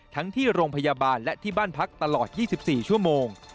ที่โรงพยาบาลและที่บ้านพักตลอด๒๔ชั่วโมง